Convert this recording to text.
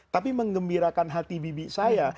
tapi mengembirakan hati bibi saya